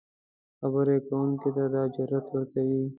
خبرې کوونکي ته دا جرات ورکوي